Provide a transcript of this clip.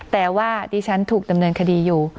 แต่ว่าดิฉันถูกดำเนินคดีอยู่